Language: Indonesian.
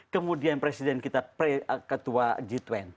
kemudian presiden kita ketua g dua puluh